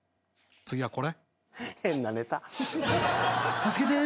次はこれ？